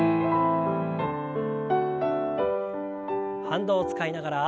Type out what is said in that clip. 反動を使いながら。